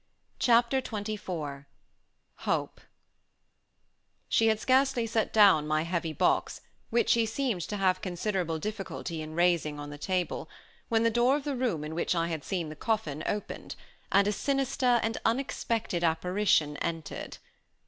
Chapter XXIV HOPE She had scarcely set down my heavy box, which she seemed to have considerable difficulty in raising on the table, when the door of the room in which I had seen the coffin, opened, and a sinister and unexpected apparition entered.